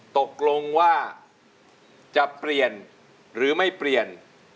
ตกลงว่าจะเปลี่ยนหรือไม่เปลี่ยน